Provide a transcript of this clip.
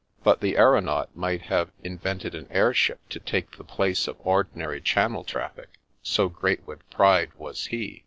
But the aeronaut might have in vented an air ship to take the place of ordinary Channel traffic, so great with pride was he.